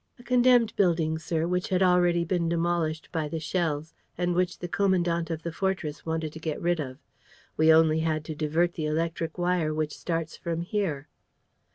"A condemned building, sir, which had already been demolished by the shells and which the commandant of the fortress wanted to get rid of. We only had to divert the electric wire which starts from here."